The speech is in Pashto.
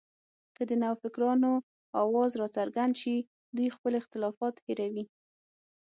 که د نوفکرانو اواز راڅرګند شي، دوی خپل اختلافات هېروي